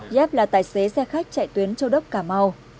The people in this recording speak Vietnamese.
giáp là tài xế xe khách chạy tuyến châu đốc cà mau